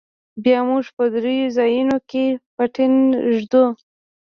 بيا موږ په درېو ځايونو کښې پټن ږدو.